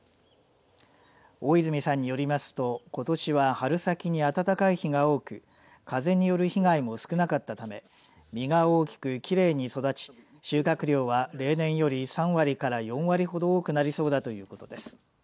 大泉さんによりますとことしは春先に暖かい日が多く風による被害も少なかったため実が大きくきれいに育ち収穫量は例年より３割から４割ほど多くなりそうだということです。